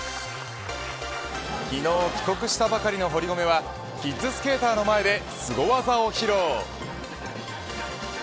昨日、帰国したばかりの堀米はキッズスケーターの前ですご技を披露。